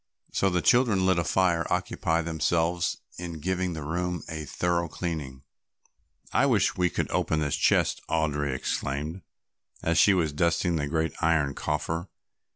So the children lit a fire and occupied themselves in giving the room a thorough cleaning. "I wish we could open this chest," Audry exclaimed, as she was dusting the great iron coffer.